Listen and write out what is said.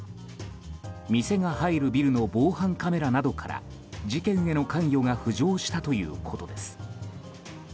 店が入るビルの防犯カメラなどから事件への関与が浮上したということです。